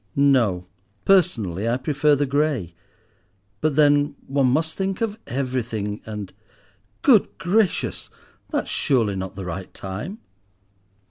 "No, personally I prefer the grey. But then one must think of everything, and—Good gracious! that's surely not the right time?"